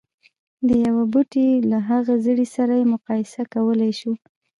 د يوه بوټي له هغه زړي سره يې مقايسه کولای شو.